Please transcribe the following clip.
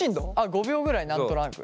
５秒ぐらい何となく。